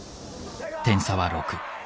点差は６。